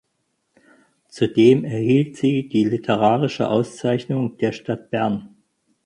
Zudem erhielt sie die Literarische Auszeichnung der Stadt Bern.